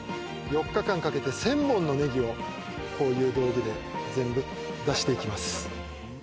４日間かけて１０００本のネギをこういう道具で全部出していきます